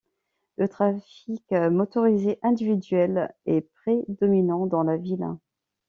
Le trafic motorisé individuel est prédominant dans la ville.